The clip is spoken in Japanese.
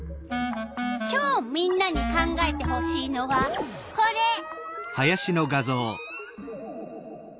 今日みんなに考えてほしいのはこれ。